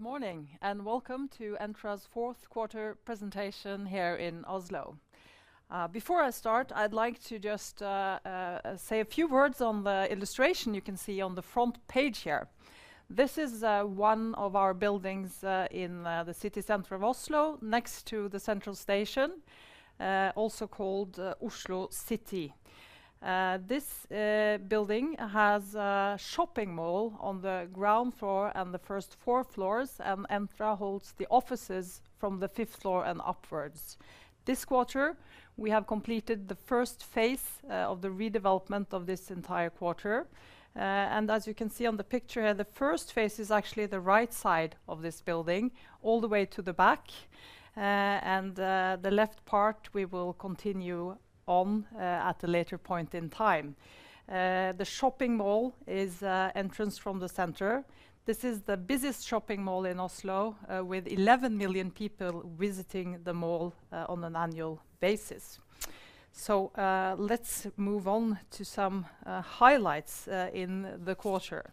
Good morning and welcome to Entra's fourth quarter presentation here in Oslo. Before I start, I'd like to just say a few words on the illustration you can see on the front page here. This is one of our buildings in the city center of Oslo, next to the central station, also called Oslo City. This building has a shopping mall on the ground floor and the first four floors, and Entra holds the offices from the fifth floor and upwards. This quarter, we have completed the first phase of the redevelopment of this entire quarter. As you can see on the picture here, the first phase is actually the right side of this building all the way to the back. The left part, we will continue on at a later point in time. The shopping mall is entrance from the center. This is the busiest shopping mall in Oslo, with 11 million people visiting the mall on an annual basis. So let's move on to some highlights in the quarter.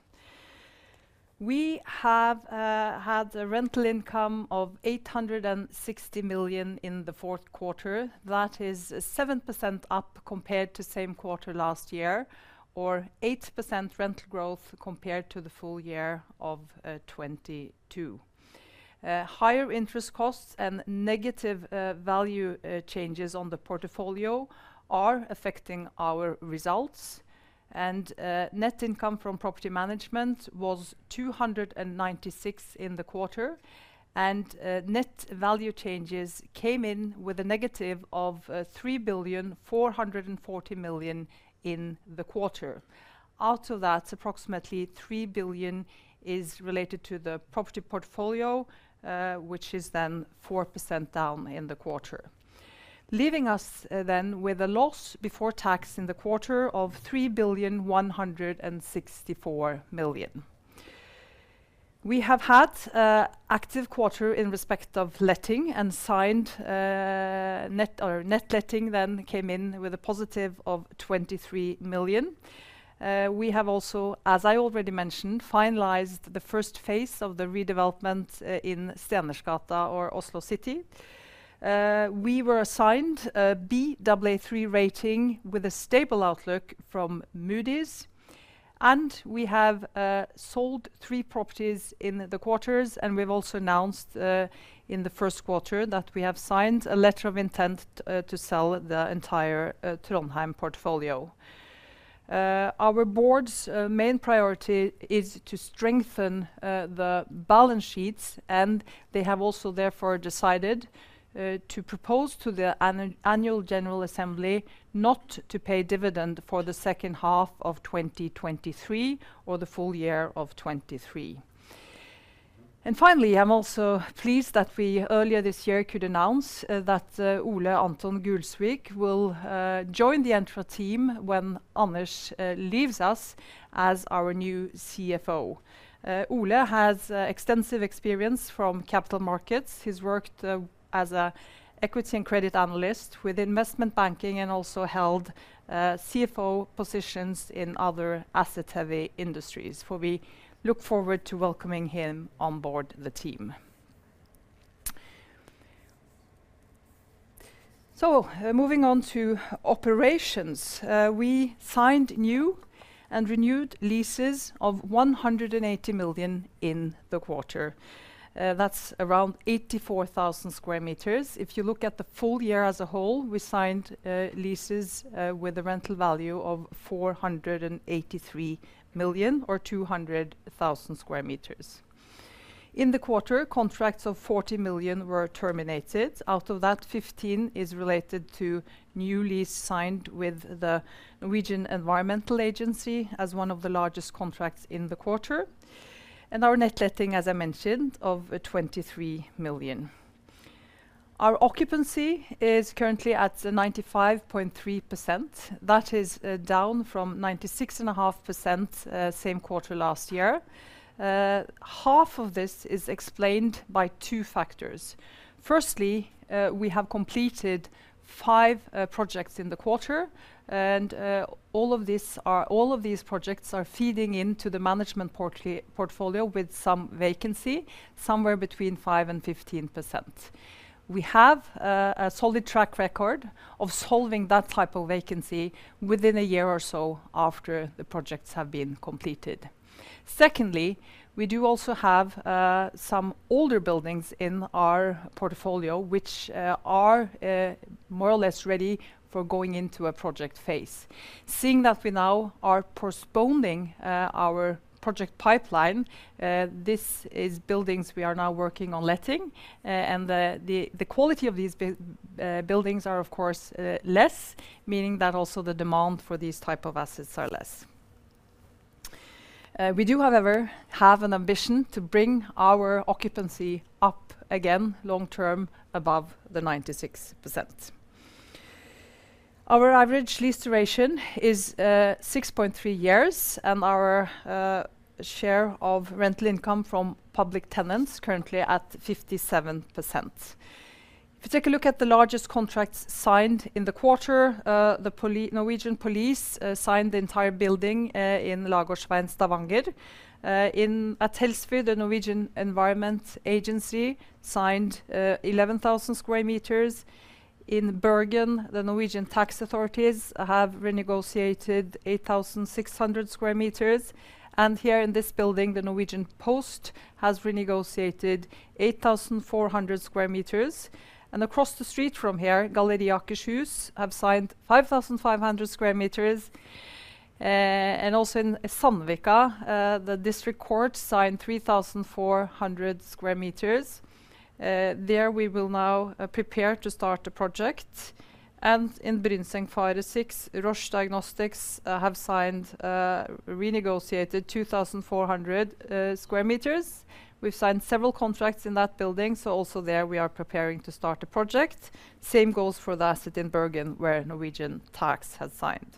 We have had a rental income of 860 million in the fourth quarter. That is 7% up compared to same quarter last year, or 8% rental growth compared to the full year of 2022. Higher interest costs and negative value changes on the portfolio are affecting our results. And net income from property management was 296 million in the quarter, and net value changes came in with a negative of 3.44 billion in the quarter. Out of that, approximately 3 billion is related to the property portfolio, which is then 4% down in the quarter, leaving us then with a loss before tax in the quarter of 3.164 billion. We have had an active quarter in respect of letting, and net letting then came in with a positive of 23 million. We have also, as I already mentioned, finalized the first phase of the redevelopment in Stenersgata or Oslo City. We were assigned a Baa3 rating with a stable outlook from Moody's, and we have sold three properties in the quarter. And we've also announced in the first quarter that we have signed a letter of intent to sell the entire Trondheim portfolio. Our board's main priority is to strengthen the balance sheets, and they have also therefore decided to propose to the annual general assembly not to pay dividend for the second half of 2023 or the full year of 2023. Finally, I'm also pleased that we earlier this year could announce that Ole Anton Gulsvik will join the Entra team when Anders leaves us as our new CFO. Ole has extensive experience from capital markets. He's worked as an equity and credit analyst with investment banking and also held CFO positions in other asset-heavy industries. We look forward to welcoming him on board the team. Moving on to operations, we signed new and renewed leases of 180 million in the quarter. That's around 84,000 sq m. If you look at the full year as a whole, we signed leases with a rental value of 483 million or 200,000 sq m. In the quarter, contracts of 40 million were terminated. Out of that, 15 is related to new lease signed with the Norwegian Environmental Agency as one of the largest contracts in the quarter. Our net letting, as I mentioned, of 23 million. Our occupancy is currently at 95.3%. That is down from 96.5% same quarter last year. Half of this is explained by two factors. Firstly, we have completed five projects in the quarter, and all of these projects are feeding into the management portfolio with some vacancy somewhere between 5%-15%. We have a solid track record of solving that type of vacancy within a year or so after the projects have been completed. Secondly, we do also have some older buildings in our portfolio, which are more or less ready for going into a project phase. Seeing that we now are postponing our project pipeline, these are buildings we are now working on letting. And the quality of these buildings are, of course, less, meaning that also the demand for these type of assets are less. We do, however, have an ambition to bring our occupancy up again long-term above the 96%. Our average lease duration is 6.3 years, and our share of rental income from public tenants is currently at 57%. If you take a look at the largest contracts signed in the quarter, the Norwegian police signed the entire building in Lagårdsveien, Stavanger. At Tollbugata, the Norwegian Environmental Agency signed 11,000 sq m. In Bergen, the Norwegian tax authorities have renegotiated 8,600 sq m. Here in this building, the Norwegian Post has renegotiated 8,400 sq m. Across the street from here, Galleri Akershus have signed 5,500 sq m. Also in Sandvika, the district court signed 3,400 sq m. There we will now prepare to start the project. In Brynsengfaret 6, Roche Diagnostics have renegotiated 2,400 sq m. We've signed several contracts in that building. So also there, we are preparing to start a project. Same goes for the asset in Bergen where Norwegian tax has signed.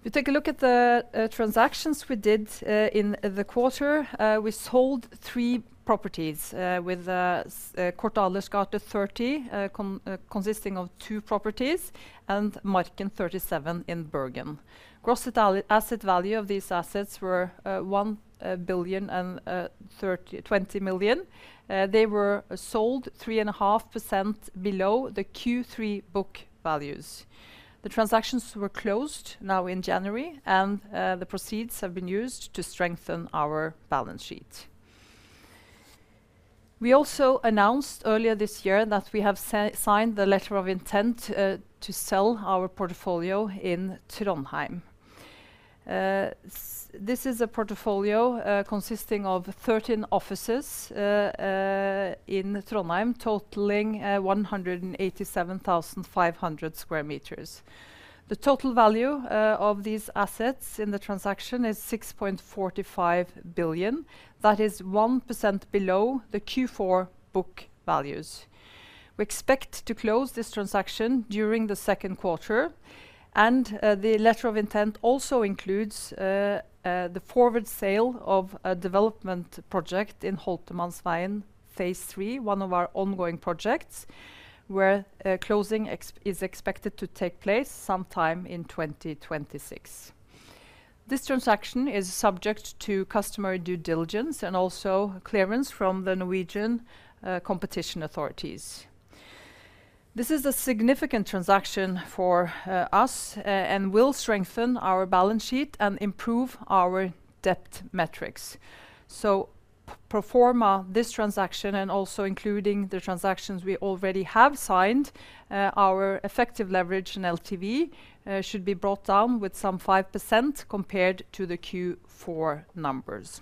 If you take a look at the transactions we did in the quarter, we sold three properties with Cort Adelers gate 30 consisting of two properties, and Marken 37 in Bergen. Gross asset value of these assets was 1.02 billion. They were sold 3.5% below the Q3 book values. The transactions were closed now in January, and the proceeds have been used to strengthen our balance sheet. We also announced earlier this year that we have signed the letter of intent to sell our portfolio in Trondheim. This is a portfolio consisting of 13 offices in Trondheim, totaling 187,500 sq m. The total value of these assets in the transaction is 6.45 billion. That is 1% below the Q4 book values. We expect to close this transaction during the second quarter. The letter of intent also includes the forward sale of a development project in Holtermannsveien, phase three, one of our ongoing projects, where closing is expected to take place sometime in 2026. This transaction is subject to customer due diligence and also clearance from the Norwegian competition authorities. This is a significant transaction for us and will strengthen our balance sheet and improve our debt metrics. Pro forma this transaction, and also including the transactions we already have signed, our effective leverage and LTV should be brought down with some 5% compared to the Q4 numbers.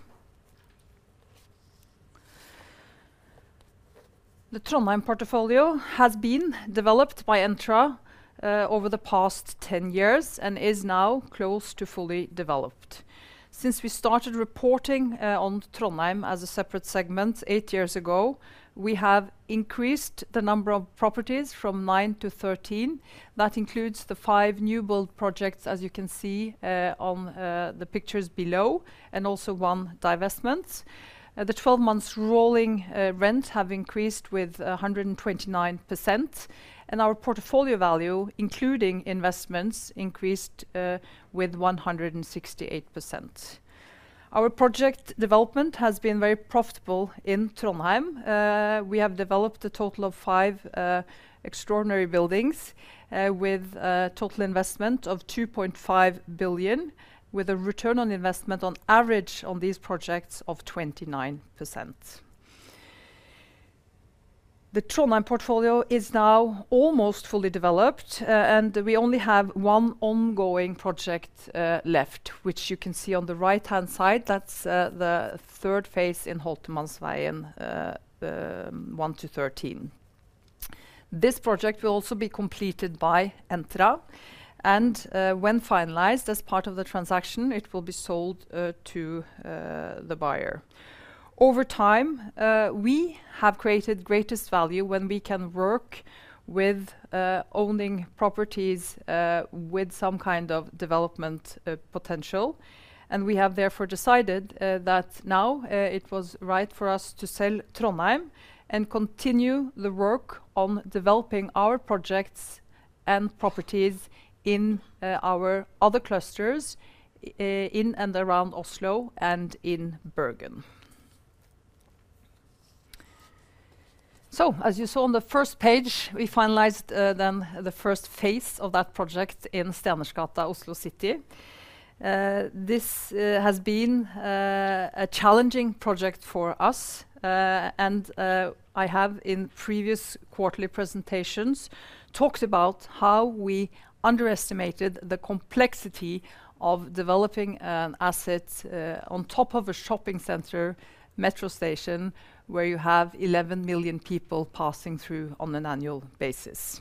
The Trondheim portfolio has been developed by Entra over the past 10 years and is now close to fully developed. Since we started reporting on Trondheim as a separate segment eight years ago, we have increased the number of properties from nine to 13. That includes the five new-built projects, as you can see on the pictures below, and also one divestment. The 12-month rolling rent has increased with 129%, and our portfolio value, including investments, increased with 168%. Our project development has been very profitable in Trondheim. We have developed a total of five extraordinary buildings with a total investment of 2.5 billion, with a return on investment on average on these projects of 29%. The Trondheim portfolio is now almost fully developed, and we only have one ongoing project left, which you can see on the right-hand side. That's the third phase in Holtermannsveien, one to 13. This project will also be completed by Entra. When finalized as part of the transaction, it will be sold to the buyer. Over time, we have created greatest value when we can work with owning properties with some kind of development potential. We have therefore decided that now it was right for us to sell Trondheim and continue the work on developing our projects and properties in our other clusters in and around Oslo and in Bergen. As you saw on the first page, we finalized then the first phase of that project in Stenersgata, Oslo City. This has been a challenging project for us. I have in previous quarterly presentations talked about how we underestimated the complexity of developing an asset on top of a shopping center metro station where you have 11 million people passing through on an annual basis.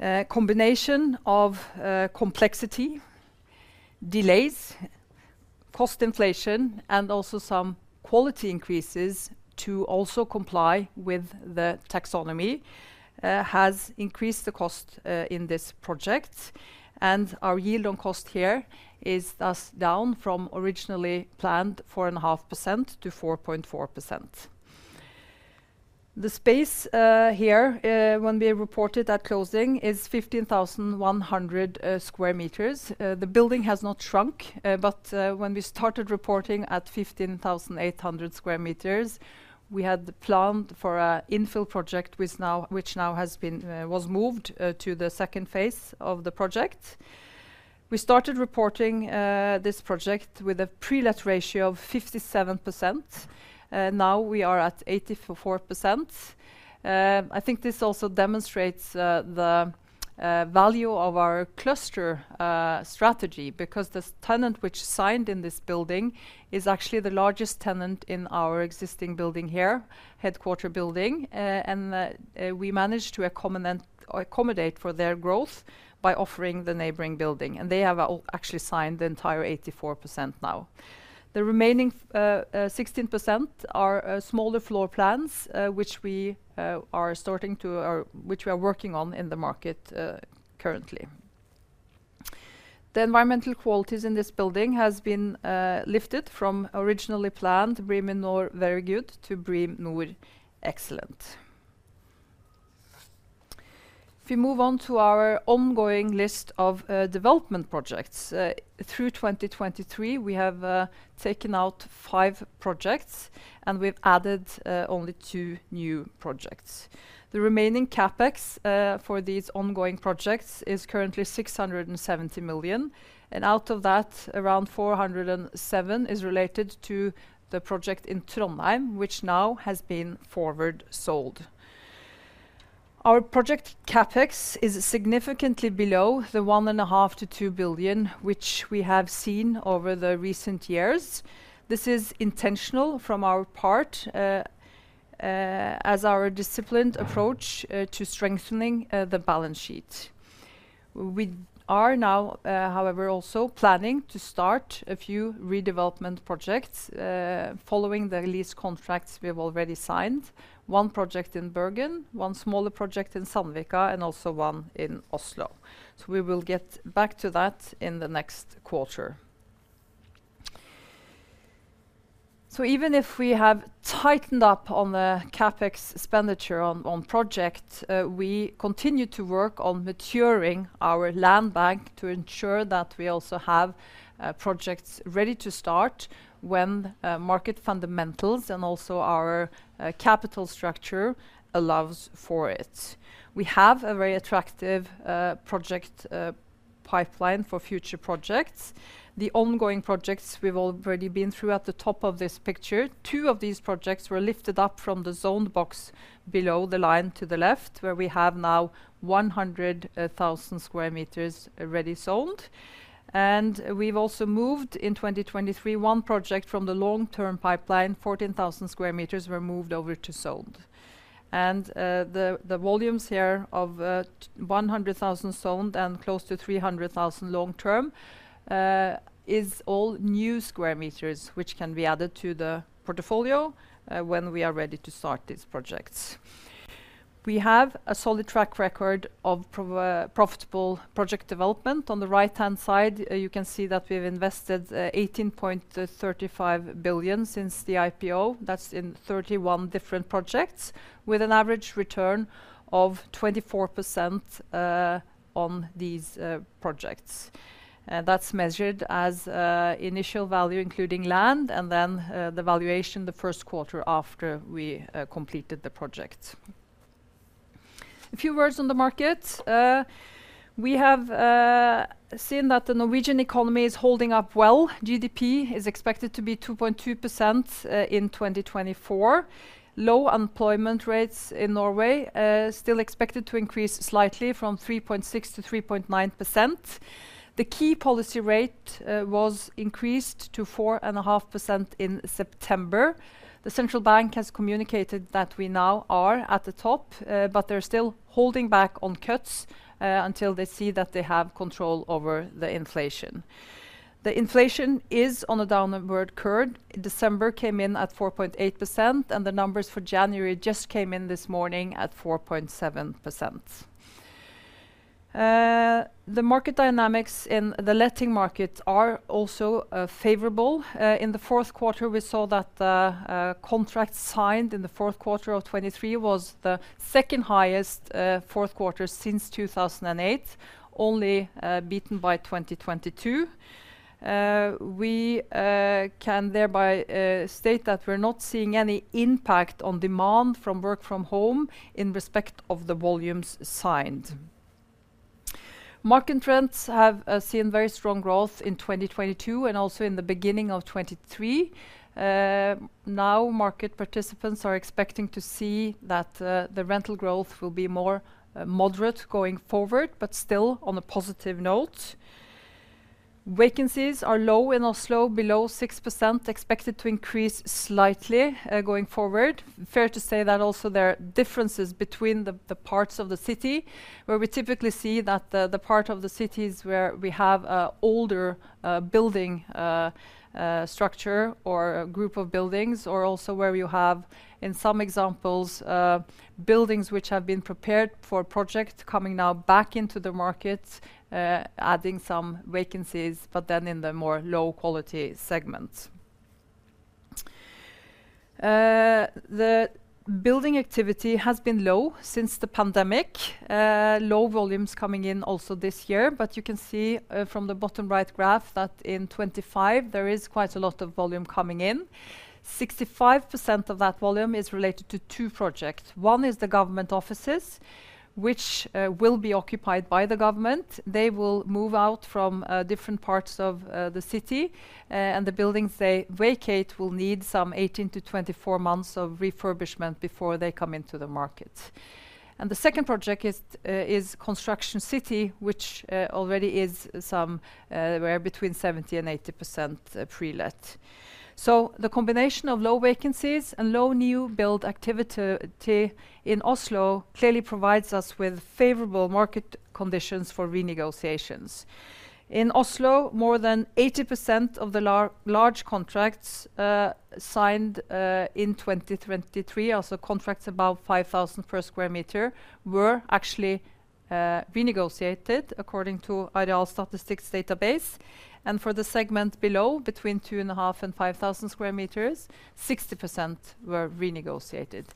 A combination of complexity, delays, cost inflation, and also some quality increases to also comply with the taxonomy has increased the cost in this project. Our yield on cost here is thus down from originally planned 4.5% to 4.4%. The space here, when we reported at closing, is 15,100 sq m. The building has not shrunk. When we started reporting at 15,800 sq m, we had planned for an infill project, which now has been moved to the second phase of the project. We started reporting this project with a pre-let ratio of 57%. Now we are at 84%. I think this also demonstrates the value of our cluster strategy because the tenant which signed in this building is actually the largest tenant in our existing building here, headquarters building. We managed to accommodate for their growth by offering the neighboring building. They have actually signed the entire 84% now. The remaining 16% are smaller floor plans, which we are starting to or which we are working on in the market currently. The environmental qualities in this building have been lifted from originally planned BREEAM-NOR very good to BREEAM-NOR excellent. If we move on to our ongoing list of development projects, through 2023, we have taken out five projects, and we've added only two new projects. The remaining CapEx for these ongoing projects is currently 670 million. And out of that, around 407 million is related to the project in Trondheim, which now has been forward sold. Our project CapEx is significantly below the 1.5 billion-2 billion, which we have seen over the recent years. This is intentional from our part as our disciplined approach to strengthening the balance sheet. We are now, however, also planning to start a few redevelopment projects following the lease contracts we have already signed, one project in Bergen, one smaller project in Sandvika, and also one in Oslo. So we will get back to that in the next quarter. So even if we have tightened up on the CapEx expenditure on projects, we continue to work on maturing our land bank to ensure that we also have projects ready to start when market fundamentals and also our capital structure allows for it. We have a very attractive project pipeline for future projects. The ongoing projects we've already been through at the top of this picture. Two of these projects were lifted up from the zoned box below the line to the left, where we have now 100,000 sq m ready sold. We've also moved in 2023 one project from the long-term pipeline, 14,000 sq m were moved over to sold. The volumes here of 100,000 sold and close to 300,000 long-term is all new sq m, which can be added to the portfolio when we are ready to start these projects. We have a solid track record of profitable project development. On the right-hand side, you can see that we have invested 18.35 billion since the IPO. That's in 31 different projects with an average return of 24% on these projects. That's measured as initial value, including land, and then the valuation the first quarter after we completed the project. A few words on the market. We have seen that the Norwegian economy is holding up well. GDP is expected to be 2.2% in 2024. Low unemployment rates in Norway are still expected to increase slightly from 3.6%-3.9%. The key policy rate was increased to 4.5% in September. The central bank has communicated that we now are at the top, but they're still holding back on cuts until they see that they have control over the inflation. The inflation is on a downward curve. December came in at 4.8%, and the numbers for January just came in this morning at 4.7%. The market dynamics in the letting market are also favorable. In the fourth quarter, we saw that the contracts signed in the fourth quarter of 2023 was the second highest fourth quarter since 2008, only beaten by 2022. We can thereby state that we're not seeing any impact on demand from work from home in respect of the volumes signed. Market trends have seen very strong growth in 2022 and also in the beginning of 2023. Now, market participants are expecting to see that the rental growth will be more moderate going forward, but still on a positive note. Vacancies are low in Oslo, below 6%, expected to increase slightly going forward. Fair to say that also there are differences between the parts of the city where we typically see that the part of the cities where we have an older building structure or group of buildings, or also where you have, in some examples, buildings which have been prepared for project coming now back into the market, adding some vacancies, but then in the more low-quality segments. The building activity has been low since the pandemic, low volumes coming in also this year. You can see from the bottom right graph that in 2025, there is quite a lot of volume coming in. 65% of that volume is related to two projects. One is the government offices, which will be occupied by the government. They will move out from different parts of the city. The buildings they vacate will need some 18-24 months of refurbishment before they come into the market. The second project is Construction City, which already is somewhere between 70%-80% pre-let. The combination of low vacancies and low new build activity in Oslo clearly provides us with favorable market conditions for renegotiations. In Oslo, more than 80% of the large contracts signed in 2023, also contracts above 5,000 per sq m, were actually renegotiated according to Arealstatistikk database. For the segment below, between 2.5 and 5,000 sq m, 60% were renegotiated.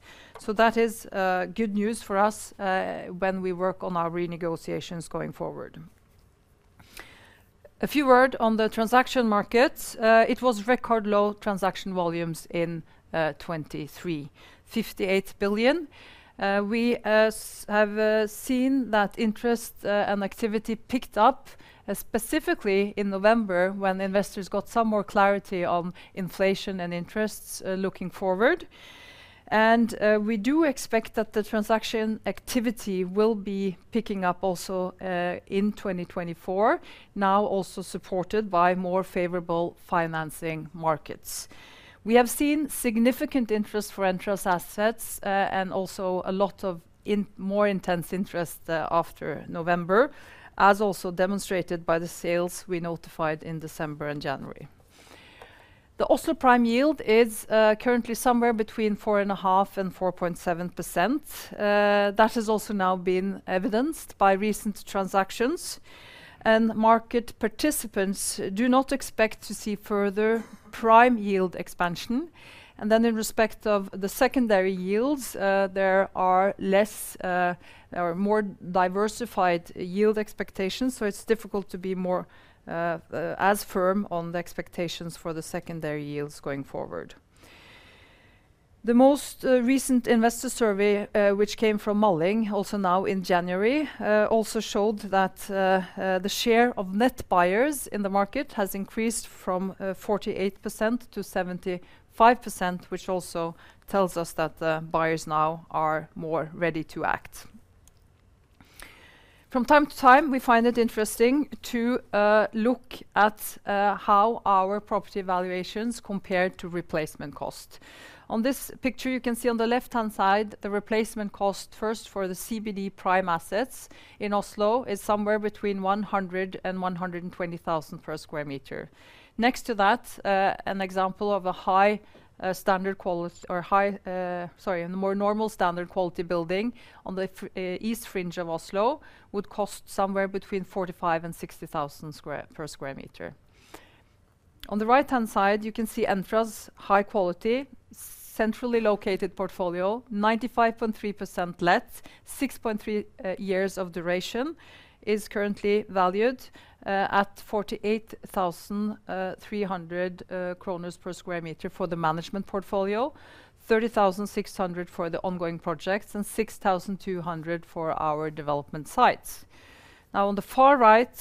That is good news for us when we work on our renegotiations going forward. A few words on the transaction markets. It was record low transaction volumes in 2023, 58 billion. We have seen that interest and activity picked up specifically in November when investors got some more clarity on inflation and interests looking forward. We do expect that the transaction activity will be picking up also in 2024, now also supported by more favorable financing markets. We have seen significant interest for enterprise assets and also a lot of more intense interest after November, as also demonstrated by the sales we notified in December and January. The Oslo prime yield is currently somewhere between 4.5%-4.7%. That has also now been evidenced by recent transactions. Market participants do not expect to see further prime yield expansion. Then in respect of the secondary yields, there are less or more diversified yield expectations. It's difficult to be more firm on the expectations for the secondary yields going forward. The most recent investor survey, which came from Malling, also now in January, also showed that the share of net buyers in the market has increased from 48%-75%, which also tells us that buyers now are more ready to act. From time to time, we find it interesting to look at how our property valuations compare to replacement cost. On this picture, you can see on the left-hand side, the replacement cost first for the CBD prime assets in Oslo is somewhere between 100-120,000 per sq m. Next to that, an example of a high standard quality or high, sorry, a more normal standard quality building on the east fringe of Oslo would cost somewhere between 45,000-60,000 per sq m. On the right-hand side, you can see Entra's high quality, centrally located portfolio, 95.3% let, 6.3 years of duration, is currently valued at 48,300 kroner per sq m for the management portfolio, 30,600 NOK for the ongoing projects, and 6,200 for our development sites. Now, on the far right,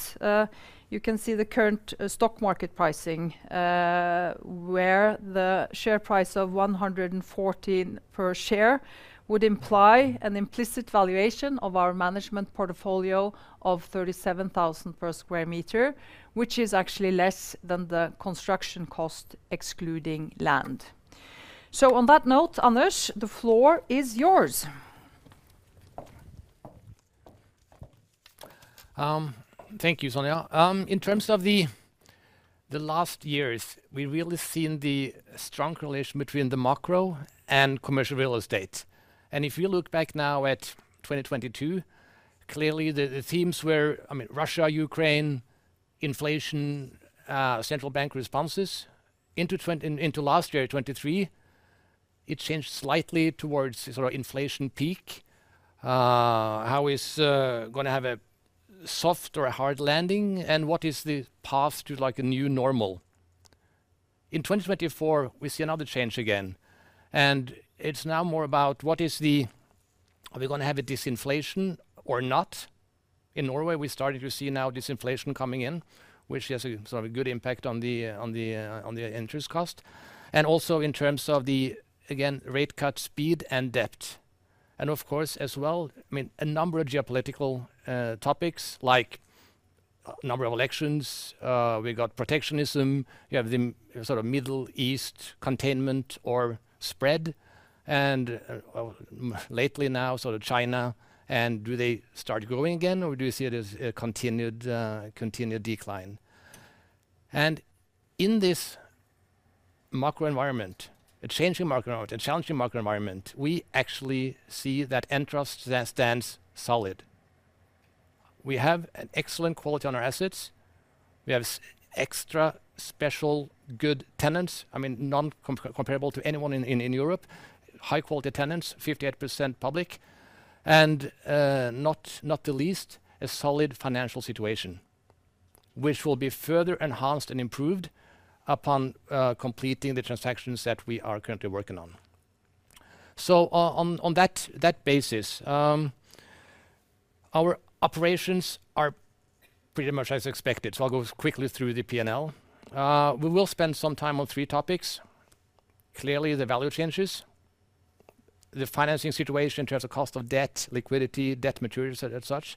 you can see the current stock market pricing, where the share price of 114 per share would imply an implicit valuation of our management portfolio of 37,000 per sq m, which is actually less than the construction cost excluding land. So on that note, Anders, the floor is yours. Thank you, Sonja. In terms of the last years, we've really seen the strong correlation between the macro and commercial real estate. And if we look back now at 2022, clearly, the themes were, I mean, Russia, Ukraine, inflation, central bank responses. Into last year, 2023, it changed slightly towards sort of inflation peak. How is it going to have a soft or a hard landing? And what is the path to a new normal? In 2024, we see another change again. And it's now more about what is the are we going to have a disinflation or not? In Norway, we're starting to see now disinflation coming in, which has a sort of a good impact on the interest cost. And also in terms of the, again, rate cut speed and depth. And of course, as well, I mean, a number of geopolitical topics like number of elections. We got protectionism. You have the sort of Middle East containment or spread. And lately now, sort of China. And do they start growing again, or do we see a continued decline? And in this macro environment, a changing macro environment, a challenging macro environment, we actually see that Entra stands solid. We have an excellent quality on our assets. We have extra special good tenants, I mean, non-comparable to anyone in Europe, high-quality tenants, 58% public. And not the least, a solid financial situation, which will be further enhanced and improved upon completing the transactions that we are currently working on. So on that basis, our operations are pretty much as expected. So I'll go quickly through the P&L. We will spend some time on three topics. Clearly, the value changes, the financing situation in terms of cost of debt, liquidity, debt maturities as such,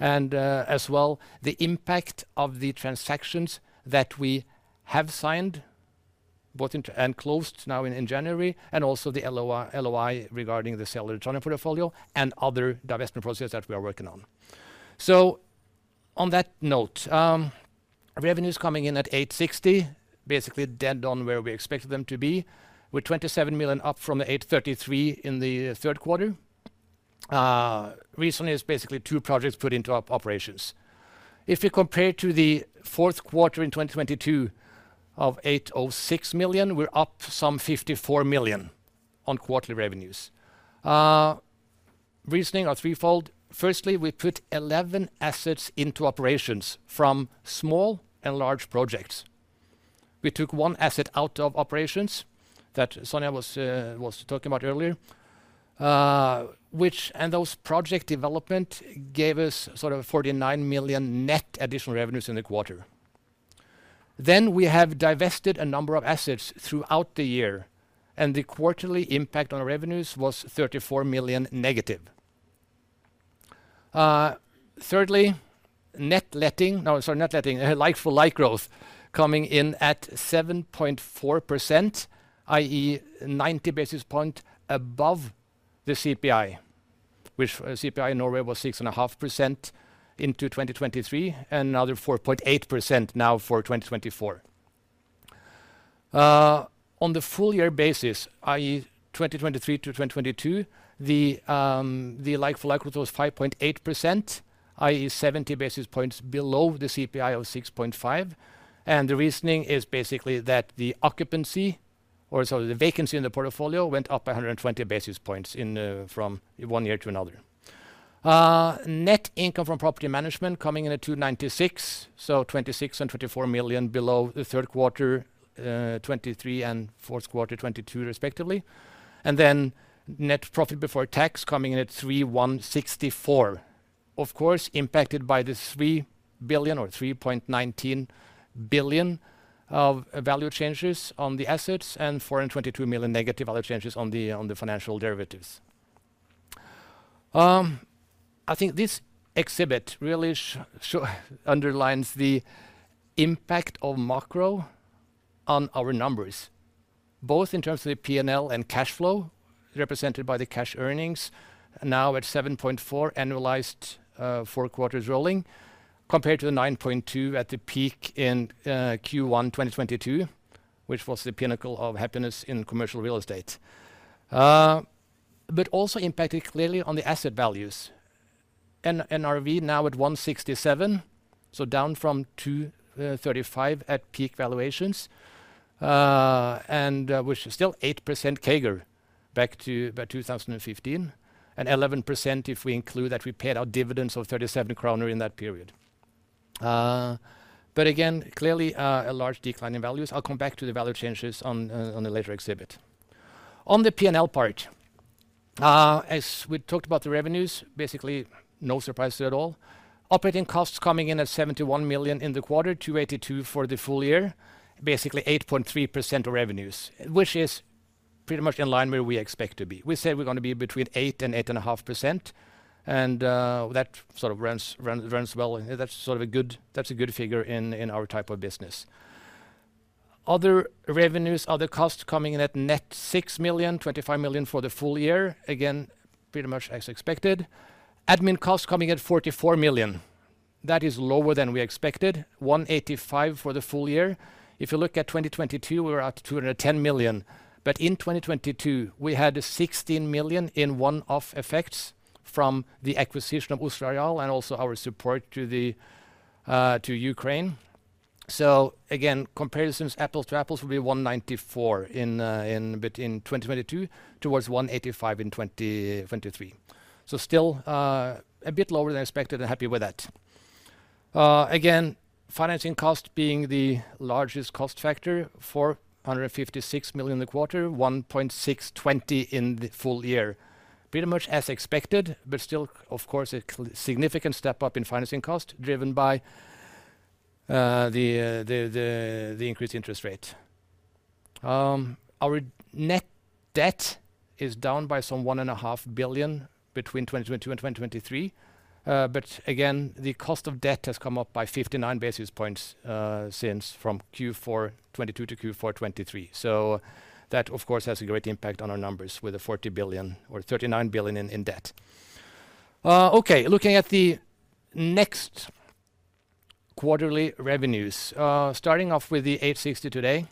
and as well, the impact of the transactions that we have signed both and closed now in January and also the LOI regarding the sale return on portfolio and other investment processes that we are working on. So on that note, revenues coming in at 860 million, basically dead on where we expected them to be. We're 27 million up from the 833 million in the third quarter. Recently, it's basically two projects put into operations. If we compare to the fourth quarter in 2022 of 806 million, we're up some 54 million on quarterly revenues. Reasons are threefold. Firstly, we put 11 assets into operations from small and large projects. We took one asset out of operations that Sonja was talking about earlier, and those project development gave us sort of 49 million net additional revenues in the quarter. Then we have divested a number of assets throughout the year, and the quarterly impact on our revenues was 34 million negative. Thirdly, net letting now, sorry, net letting, for like-for-like growth, coming in at 7.4%, i.e., 90 basis points above the CPI, which CPI in Norway was 6.5% into 2023 and another 4.8% now for 2024. On the full-year basis, i.e., 2023 to 2022, the like-for-like growth was 5.8%, i.e., 70 basis points below the CPI of 6.5. And the reasoning is basically that the occupancy or sort of the vacancy in the portfolio went up by 120 basis points from one year to another. Net income from property management coming in at 296 million, so 26 million and 24 million below the third quarter 2023 and fourth quarter 2022, respectively. Then net profit before tax coming in at 3.164 million, of course, impacted by the 3 billion or 3.19 billion of value changes on the assets and 422 million negative value changes on the financial derivatives. I think this exhibit really underlines the impact of macro on our numbers, both in terms of the P&L and cash flow represented by the cash earnings now at 7.4 annualized four quarters rolling compared to the 9.2 at the peak in Q1 2022, which was the pinnacle of happiness in commercial real estate, but also impacted clearly on the asset values. NRV now at 167, so down from 235 at peak valuations, which is still 8% CAGR back to 2015 and 11% if we include that we paid out dividends of 37 kroner in that period. But again, clearly, a large decline in values. I'll come back to the value changes on the later exhibit. On the P&L part, as we talked about the revenues, basically no surprises at all, operating costs coming in at 71 million in the quarter, 282 million for the full year, basically 8.3% of revenues, which is pretty much in line where we expect to be. We said we're going to be between 8% and 8.5%. That sort of runs well. That's sort of a good figure in our type of business. Other revenues, other costs coming in at net 6 million, 25 million for the full year, again, pretty much as expected. Admin costs coming in at 44 million. That is lower than we expected, 185 million for the full year. If you look at 2022, we were at 210 million. But in 2022, we had 16 million in one-off effects from the acquisition of Oslo Areal and also our support to Ukraine. So again, comparisons apples to apples will be 194 million between 2022 towards 185 million in 2023. So still a bit lower than expected. I'm happy with that. Again, financing cost being the largest cost factor, 456 million in the quarter, 1.620 million in the full year, pretty much as expected, but still, of course, a significant step up in financing cost driven by the increased interest rate. Our net debt is down by some 1.5 billion between 2022 and 2023. But again, the cost of debt has come up by 59 basis points since from Q4 2022 to Q4 2023. So that, of course, has a great impact on our numbers with 40 billion or 39 billion in debt. Okay, looking at the next quarterly revenues, starting off with the 860 today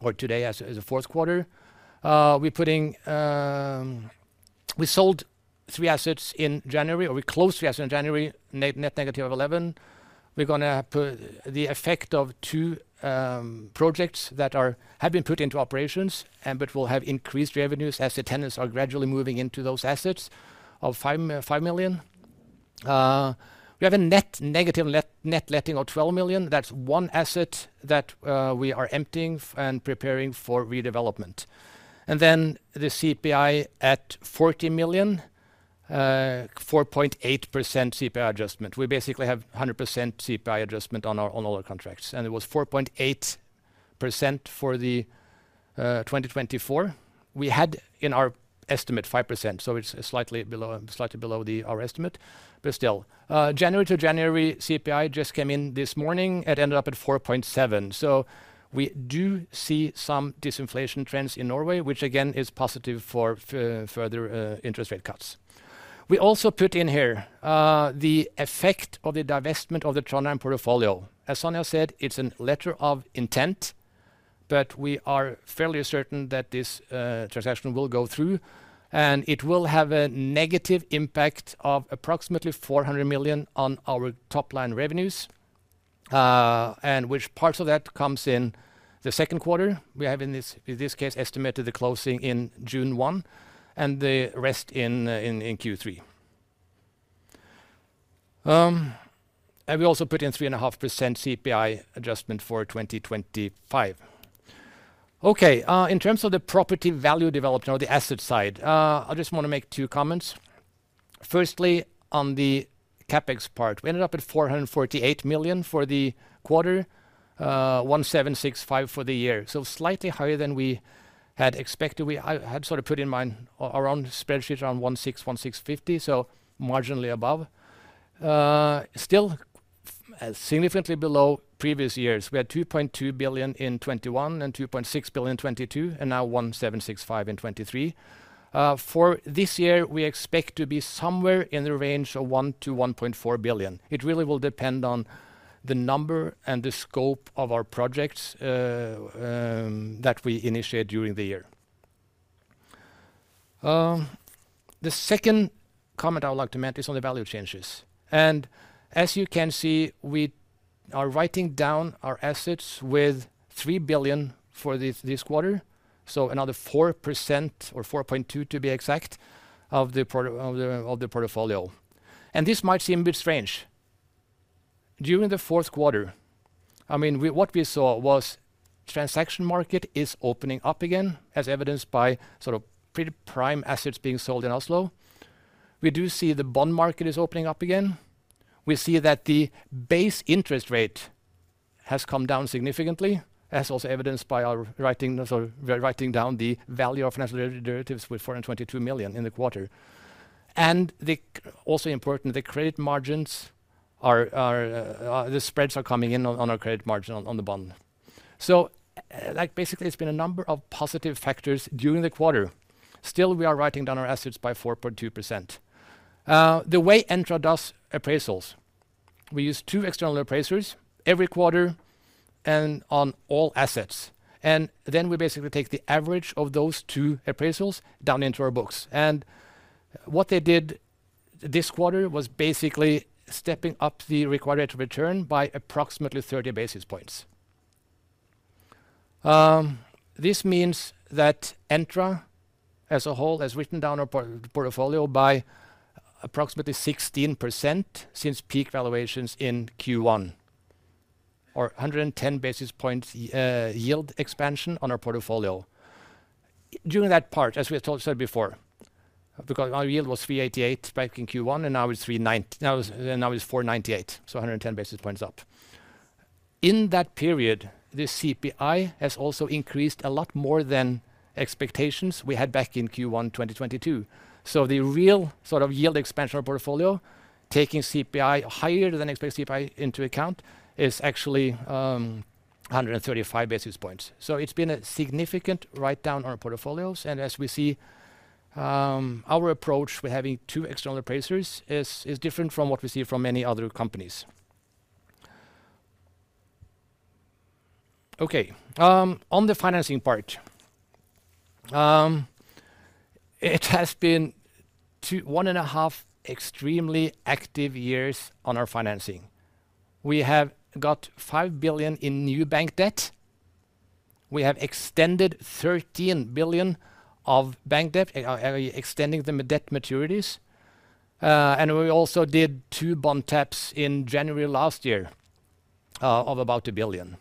or today as a fourth quarter, we sold three assets in January or we closed three assets in January, net negative of 11 million. We're going to put the effect of two projects that have been put into operations, but will have increased revenues as the tenants are gradually moving into those assets of 5 million. We have a net negative net letting of 12 million. That's one asset that we are emptying and preparing for redevelopment. And then the CPI at 40 million, 4.8% CPI adjustment. We basically have 100% CPI adjustment on all our contracts. And it was 4.8% for 2024. We had in our estimate 5%. So it's slightly below our estimate, but still. January-to-January CPI just came in this morning. It ended up at 4.7%. So we do see some disinflation trends in Norway, which again is positive for further interest rate cuts. We also put in here the effect of the divestment of the Trondheim portfolio. As Sonja said, it's a letter of intent, but we are fairly certain that this transaction will go through. And it will have a negative impact of approximately 400 million on our top-line revenues, and which parts of that comes in the second quarter. We have, in this case, estimated the closing in June 1 and the rest in Q3. And we also put in 3.5% CPI adjustment for 2025. Okay, in terms of the property value development or the asset side, I just want to make two comments. Firstly, on the CapEx part, we ended up at 448 million for the quarter, 1,765 million for the year, so slightly higher than we had expected. We had sort of put in mind our own spreadsheet around 1,600 million, 1,650 million, so marginally above, still significantly below previous years. We had 2.2 billion in 2021 and 2.6 billion in 2022 and now 1,765 million in 2023. For this year, we expect to be somewhere in the range of 1 billion-1.4 billion. It really will depend on the number and the scope of our projects that we initiate during the year. The second comment I would like to make is on the value changes. And as you can see, we are writing down our assets with 3 billion for this quarter, so another 4% or 4.2% to be exact of the portfolio. And this might seem a bit strange. During the fourth quarter, I mean, what we saw was transaction market is opening up again, as evidenced by sort of pretty prime assets being sold in Oslo. We do see the bond market is opening up again. We see that the base interest rate has come down significantly, as also evidenced by our writing down the value of financial derivatives with 422 million in the quarter. And also important, the credit margins are the spreads are coming in on our credit margin on the bond. So basically, it's been a number of positive factors during the quarter. Still, we are writing down our assets by 4.2%. The way Entra does appraisals, we use two external appraisers every quarter and on all assets. And then we basically take the average of those two appraisals down into our books. What they did this quarter was basically stepping up the required rate of return by approximately 30 basis points. This means that Entra as a whole has written down our portfolio by approximately 16% since peak valuations in Q1 or 110 basis points yield expansion on our portfolio. During that part, as we said before, because our yield was 388 back in Q1, and now it's 390. Now it's 498, so 110 basis points up. In that period, the CPI has also increased a lot more than expectations we had back in Q1 2022. So the real sort of yield expansion of our portfolio, taking CPI higher than expected CPI into account, is actually 135 basis points. So it's been a significant write-down on our portfolios. And as we see, our approach with having two external appraisers is different from what we see from many other companies. Okay, on the financing part, it has been 1.5 extremely active years on our financing. We have got 5 billion in new bank debt. We have extended 13 billion of bank debt, extending them with debt maturities. And we also did 2 bond taps in January last year of about 1 billion.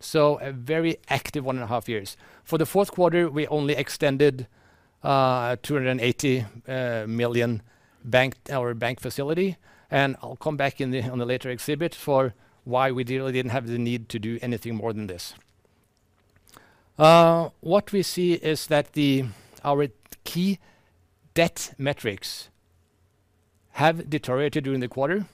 So a very active 1.5 years. For the fourth quarter, we only extended 280 million bank our bank facility. And I'll come back in the later exhibit for why we really didn't have the need to do anything more than this. What we see is that our key debt metrics have deteriorated during the quarter.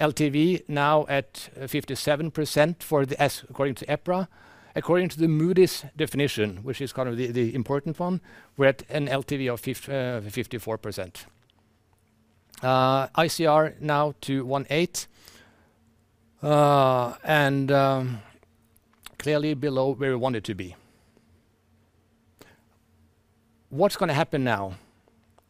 LTV now at 57% according to EPRA. According to the Moody's definition, which is kind of the important one, we're at an LTV of 54%. ICR now 2.18 and clearly below where we wanted to be. What's going to happen now?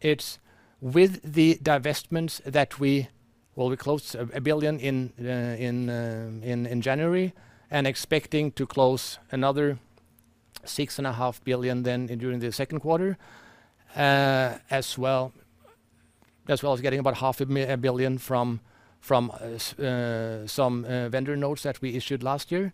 It's with the divestments that we, we closed 1 billion in January and expecting to close another 6.5 billion then during the second quarter as well as getting about 500 million from some vendor notes that we issued last year.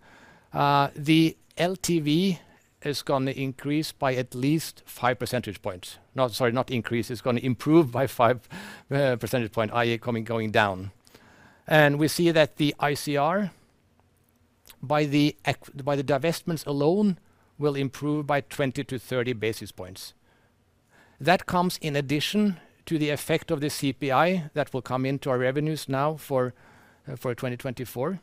The LTV is going to increase by at least 5 percentage points. Sorry, not increase. It's going to improve by 5 percentage points, i.e., going down. And we see that the ICR by the divestments alone will improve by 20-30 basis points. That comes in addition to the effect of the CPI that will come into our revenues now for 2024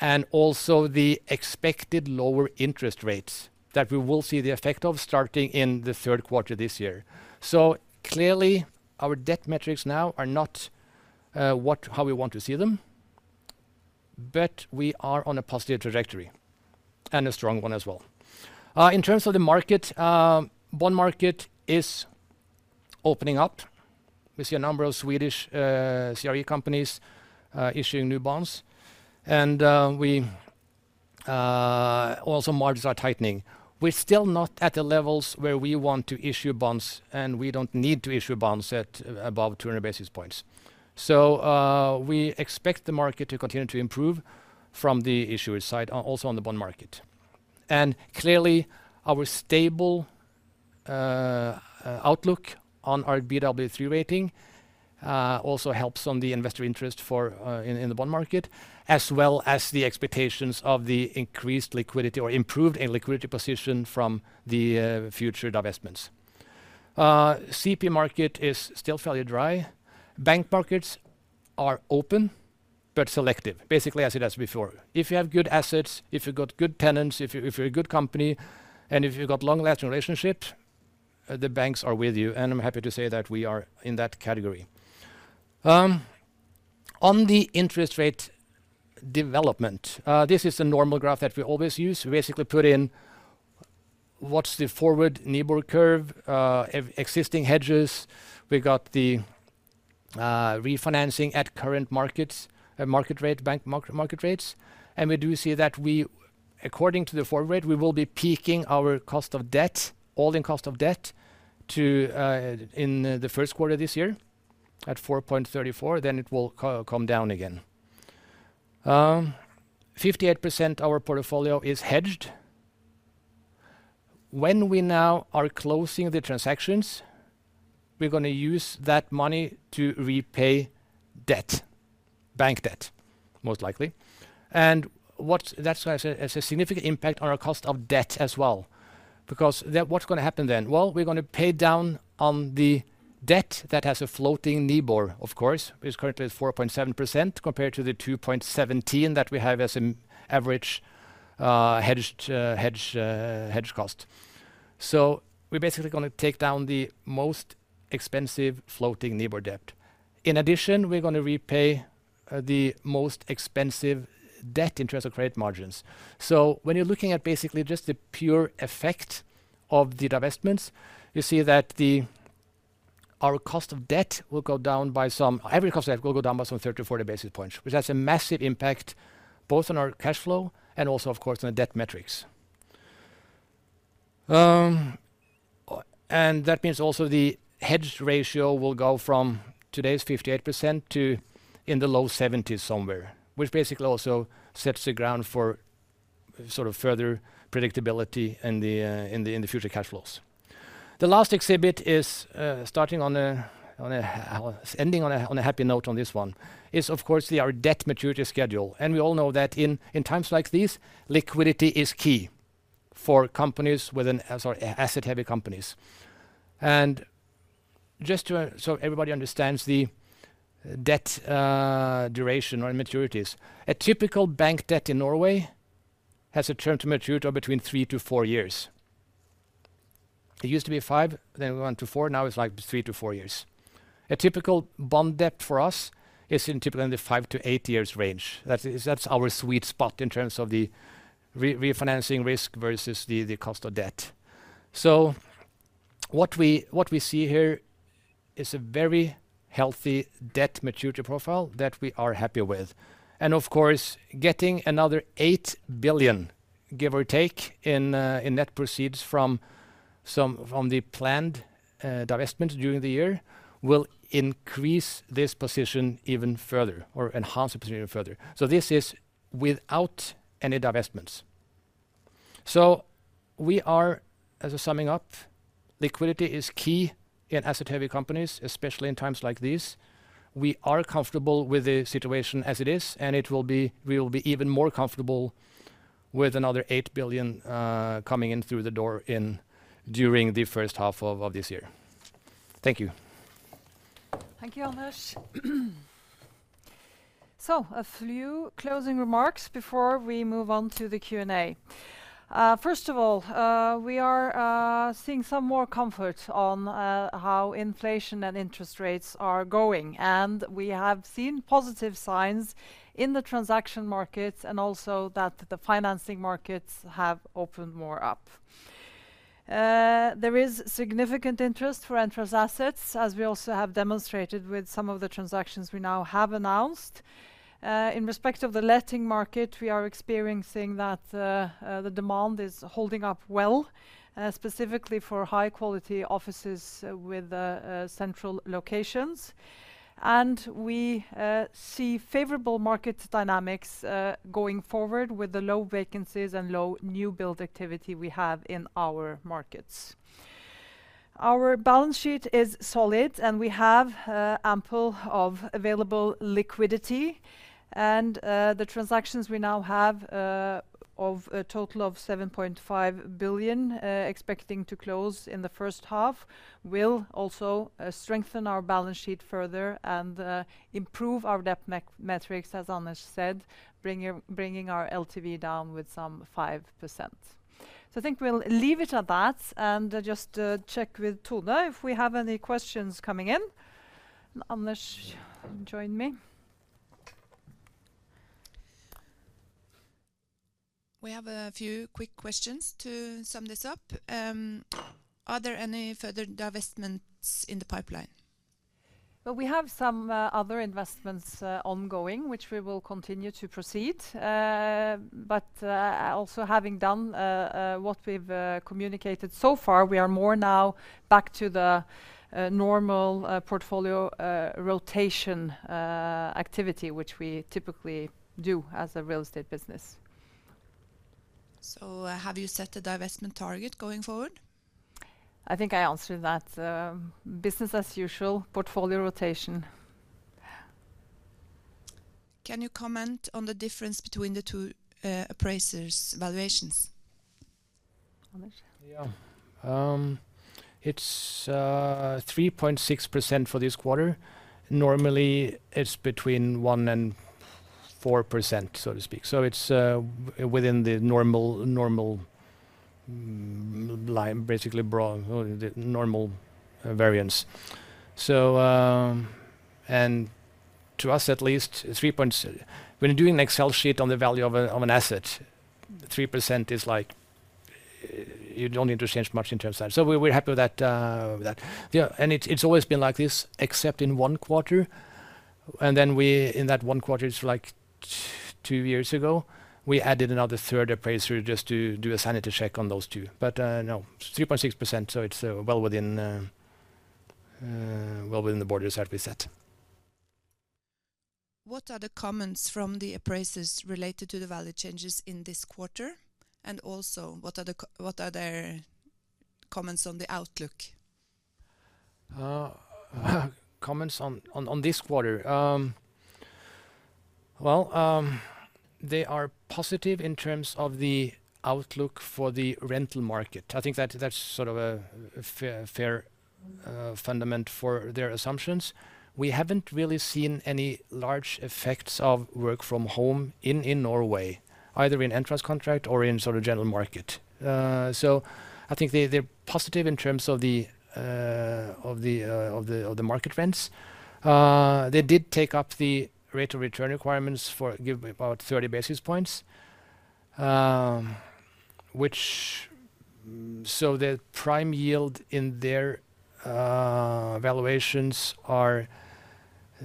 and also the expected lower interest rates that we will see the effect of starting in the third quarter this year. So clearly, our debt metrics now are not how we want to see them, but we are on a positive trajectory and a strong one as well. In terms of the market, bond market is opening up. We see a number of Swedish CRE companies issuing new bonds. And also margins are tightening. We're still not at the levels where we want to issue bonds, and we don't need to issue bonds at above 200 basis points. So we expect the market to continue to improve from the issuers' side also on the bond market. And clearly, our stable outlook on our Baa3 rating also helps on the investor interest in the bond market as well as the expectations of the increased liquidity or improved liquidity position from the future divestments. CP market is still fairly dry. Bank markets are open but selective, basically as it has before. If you have good assets, if you've got good tenants, if you're a good company, and if you've got long-lasting relationships, the banks are with you. And I'm happy to say that we are in that category. On the interest rate development, this is a normal graph that we always use. We basically put in what's the forward NIBOR curve, existing hedges. We got the refinancing at current market rate, bank market rates. And we do see that according to the forward rate, we will be peaking our cost of debt, all-in cost of debt in the first quarter this year at 4.34. Then it will come down again. 58% of our portfolio is hedged. When we now are closing the transactions, we're going to use that money to repay debt, bank debt most likely. And that's going to have a significant impact on our cost of debt as well because what's going to happen then? Well, we're going to pay down on the debt that has a floating NIBOR, of course, which currently is 4.7% compared to the 2.17% that we have as an average hedge cost. So we're basically going to take down the most expensive floating NIBOR debt. In addition, we're going to repay the most expensive debt interest or credit margins. So when you're looking at basically just the pure effect of the divestments, you see that our cost of debt will go down by some average cost of debt will go down by some 30 or 40 basis points, which has a massive impact both on our cash flow and also, of course, on the debt metrics. And that means also the hedge ratio will go from today's 58% to in the low 70s somewhere, which basically also sets the ground for sort of further predictability in the future cash flows. The last exhibit is starting on a ending on a happy note on this one is, of course, our debt maturity schedule. And we all know that in times like these, liquidity is key for companies with asset-heavy companies. And just so everybody understands the debt duration or maturities, a typical bank debt in Norway has a term to mature between three to four years. It used to be five, then it went to four. Now it's like three to four years. A typical bond debt for us is typically in the five to eight years range. That's our sweet spot in terms of the refinancing risk versus the cost of debt. So what we see here is a very healthy debt maturity profile that we are happy with. And of course, getting another 8 billion, give or take, in net proceeds from the planned divestments during the year will increase this position even further or enhance the position even further. This is without any divestments. We are summing up. Liquidity is key in asset-heavy companies, especially in times like these. We are comfortable with the situation as it is, and we will be even more comfortable with another 8 billion coming in through the door during the first half of this year. Thank you. Thank you, Anders. A few closing remarks before we move on to the Q&A. First of all, we are seeing some more comfort on how inflation and interest rates are going. And we have seen positive signs in the transaction markets and also that the financing markets have opened more up. There is significant interest for Entra's assets, as we also have demonstrated with some of the transactions we now have announced. In respect of the letting market, we are experiencing that the demand is holding up well, specifically for high-quality offices with central locations. And we see favorable market dynamics going forward with the low vacancies and low new build activity we have in our markets. Our balance sheet is solid, and we have ample of available liquidity. And the transactions we now have of a total of 7.5 billion expecting to close in the first half will also strengthen our balance sheet further and improve our debt metrics, as Anders said, bringing our LTV down with some 5%. I think we'll leave it at that and just check with Tone if we have any questions coming in. Anders, join me. We have a few quick questions to sum this up. Are there any further divestments in the pipeline? Well, we have some other investments ongoing, which we will continue to proceed. But also having done what we've communicated so far, we are more now back to the normal portfolio rotation activity, which we typically do as a real estate business. Have you set a divestment target going forward? I think I answered that. Business as usual, portfolio rotation. Can you comment on the difference between the two appraisers' valuations? Anders? Yeah. It's 3.6% for this quarter. Normally, it's between 1%-4%, so to speak. So it's within the normal line, basically normal variance. And to us at least, 3.6% when you're doing an Excel sheet on the value of an asset, 3% is like you don't need to change much in terms of that. So we're happy with that. And it's always been like this, except in one quarter. And then in that one quarter, it's like two years ago, we added another third appraiser just to do a sanity check on those two. But no, 3.6%. So it's well within the borders that we set. What are the comments from the appraisers related to the value changes in this quarter? And also, what are their comments on the outlook? Comments on this quarter? Well, they are positive in terms of the outlook for the rental market. I think that's sort of a fair fundamental for their assumptions. We haven't really seen any large effects of work from home in Norway, either in Entra's contract or in sort of general market. So I think they're positive in terms of the market rents. They did take up the rate of return requirements for about 30 basis points. So the prime yield in their valuations are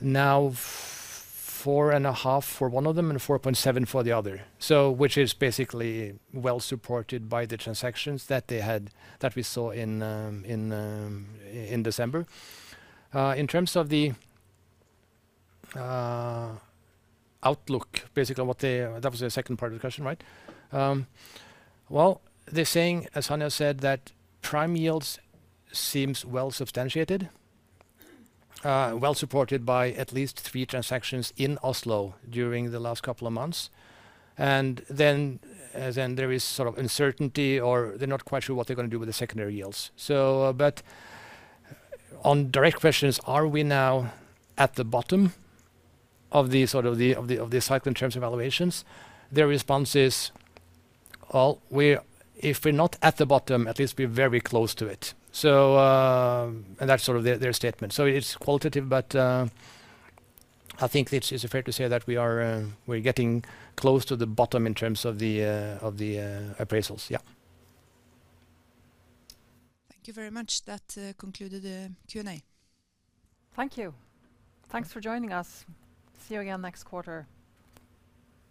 now 4.5% for one of them and 4.7% for the other, which is basically well supported by the transactions that we saw in December. In terms of the outlook, basically what they that was the second part of the question, right? Well, they're saying, as Sonja said, that prime yields seem well substantiated, well supported by at least three transactions in Oslo during the last couple of months. And then there is sort of uncertainty, or they're not quite sure what they're going to do with the secondary yields. But on direct questions, are we now at the bottom of the cycle in terms of valuations? Their response is, "Well, if we're not at the bottom, at least we're very close to it." And that's sort of their statement. So it's qualitative, but I think it's fair to say that we're getting close to the bottom in terms of the appraisals. Yeah. Thank you very much. That concluded the Q&A. Thank you. Thanks for joining us. See you again next quarter.